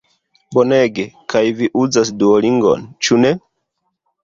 Bonege, kaj vi uzas Duolingon ĉu ne?